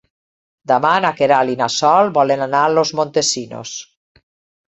Demà na Queralt i na Sol volen anar a Los Montesinos.